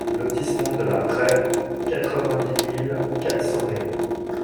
Lotissement de la Praie, quatre-vingt-dix mille quatre cents Meroux